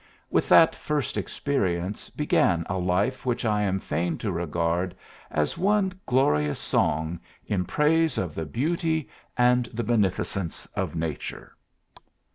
With that first experience began a life which I am fain to regard as one glorious song in praise of the beauty and the beneficence of nature.